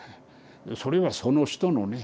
それはその人のね